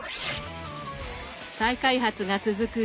再開発が続く